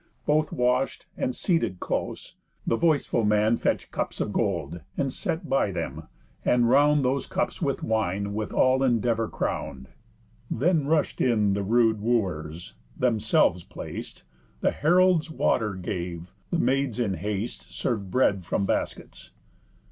Both wash'd, and seated close, the voiceful man Fetch'd cups of gold, and set by them, and round Those cups with wine with all endeavour crown'd. Then rush'd in the rude wooers, themselves plac'd; The heralds water gave; the maids in haste Serv'd bread from baskets.